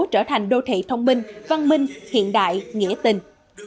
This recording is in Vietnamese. trở thành đô thị thông minh văn minh hiện đại nghĩa tình